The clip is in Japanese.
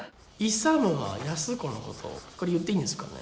勇は安子のことをこれ言っていいんですかね？